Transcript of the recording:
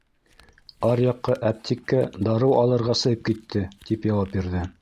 Аръяҡҡа әптиккә дарыу алырға сығып китте, — тип яуап бирҙе.